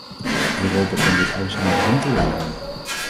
Europa kan dit alles namelijk niet alleen aan.